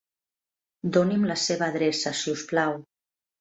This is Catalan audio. Doni'm la seva adreça si us plau.